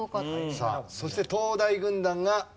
さあそして東大軍団がＣが。